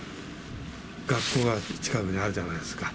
学校が近くにあるじゃないですか。